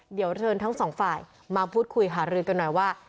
เดี๋ยวเชิญทั้งสองฝ่ายมาพูดคุยหารือกันหน่อยว่า